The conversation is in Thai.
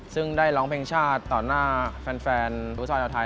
ซึ่งได้ร้องเพลงชาติต่อหน้าแฟนฟุตซอลชาวไทย